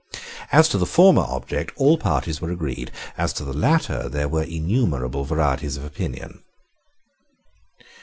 As to the former object, all parties were agreed: as to the latter, there were innumerable varieties of opinion.